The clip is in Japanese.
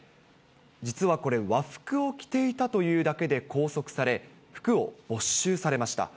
実はこれ、和服を着ていたというだけで拘束され、服を没収されました。